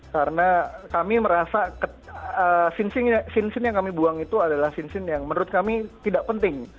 karena kami merasa scene scene yang kami buang itu adalah scene scene yang menurut kami tidak penting